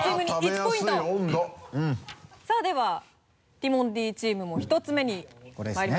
さぁではティモンディチームも１つ目にまいりましょう。